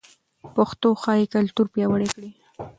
پښتو ښايي کلتور پیاوړی کړي.